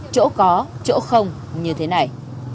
chỗ có chỗ không như thế này